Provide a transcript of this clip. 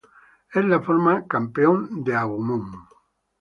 Es la forma Campeón de Agumon.